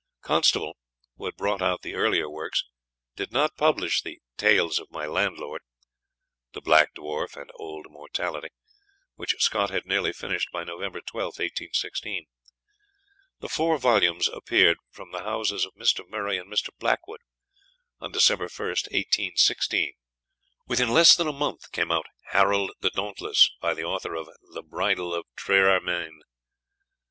Constable, who had brought out the earlier works, did not publish the "Tales of my Landlord" ("The Black Dwarf" and "Old Mortality "), which Scott had nearly finished by November 12, 1816. The four volumes appeared from the houses of Mr. Murray and Mr. Blackwood, on December 1, 1816. Within less than a month came out "Harold the Dauntless," by the author of "The Bridal of Triermain."